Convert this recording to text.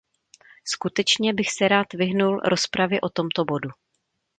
Skutečně bych se rád vyhnul rozpravě o tomto bodu.